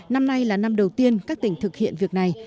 năm nay là năm đầu tiên các tỉnh thực hiện việc này